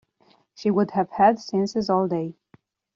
She would have had seances all day.